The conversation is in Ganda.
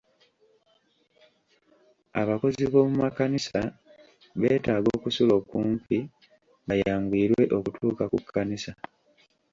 Abakozi b'omu makanisa beetaaga okusula okumpi bayanguyirwe okutuuka ku kkanisa.